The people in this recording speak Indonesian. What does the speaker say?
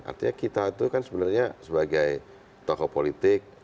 artinya kita itu kan sebenarnya sebagai tokoh politik